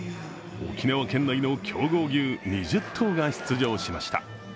沖縄県内の強豪牛２０頭が出場しました。